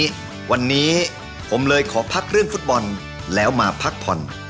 วันนี้ผมเลยขอพักเรื่องฟุตบอลแล้วมาพักผ่อน